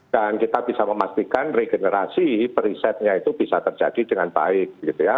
dan kita bisa memastikan regenerasi perisetnya itu bisa terjadi dengan baik